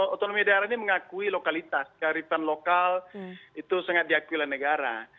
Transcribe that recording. otonomi daerah ini mengakui lokalitas kearifan lokal itu sangat diakui oleh negara